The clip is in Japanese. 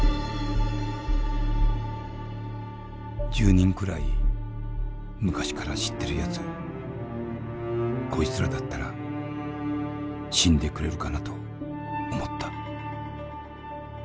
「１０人くらい昔から知ってるやつこいつらだったら死んでくれるかなと思った」。